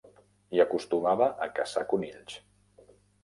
Hi acostumava a caçar conills.